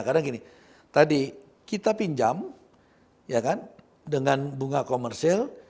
karena gini tadi kita pinjam ya kan dengan bunga komersil